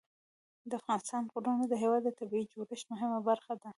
د افغانستان غرونه د هېواد د طبیعي جوړښت مهمه برخه ده.